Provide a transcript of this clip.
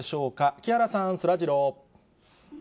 木原さん、そらジロー。